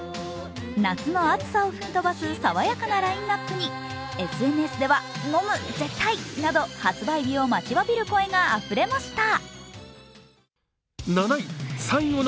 夏の暑さを吹き飛ばす爽やかなラインナップにＳＮＳでは飲む絶対など、発売を待ちわびる声があふれました。